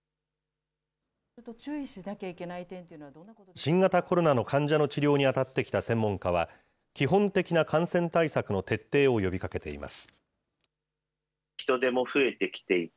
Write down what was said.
新型コロナの患者の治療に当たってきた専門家は、基本的な感染対策の徹底を呼びかけています。